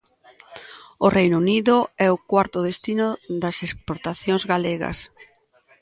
O Reino Unido é o cuarto destino das exportacións galegas.